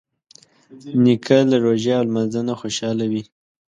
نیکه له روژې او لمانځه نه خوشحاله وي.